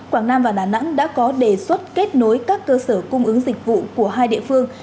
quảng nam và đà nẵng đã có đề xuất kết nối các cơ sở cung ứng dịch vụ của hai địa phương